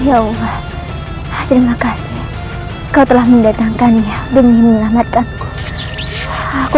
ya allah terima kasih kau telah mendatangkannya demi menyelamatkanku aku